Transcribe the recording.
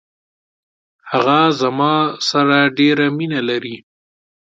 هغه زما سره ډیره مینه لري.